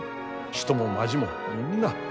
人も町もみんな。